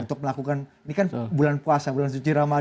untuk melakukan ini kan bulan puasa bulan suci ramadan